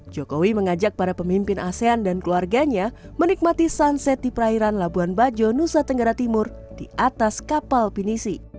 jokowi mengajak para pemimpin asean dan keluarganya menikmati sunset di perairan labuan bajo nusa tenggara timur di atas kapal pinisi